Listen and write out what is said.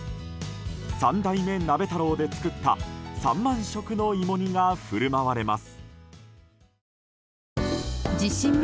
３代目鍋太郎で作った３万食の芋煮が振る舞われます。